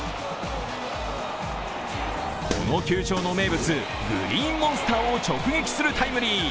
この球場の名物、グリーンモンスターを直撃するタイムリー。